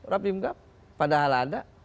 rapi mga padahal ada